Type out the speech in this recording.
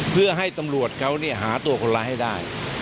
เพื่อให้ตำรวจเขาหาตัวคนร้ายให้ได้